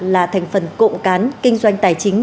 là thành phần cộng cán kinh doanh tài chính